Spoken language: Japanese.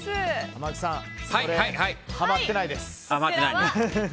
濱口さん、それはまってないです。